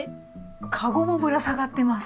カゴもぶら下がってます。